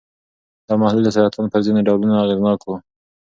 دا محلول د سرطان پر ځینو ډولونو اغېزناک و.